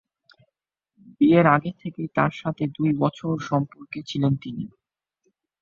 বিয়ের আগে থেকেই তার সাথে দু'বছর ধরে সম্পর্কে ছিলেন তিনি।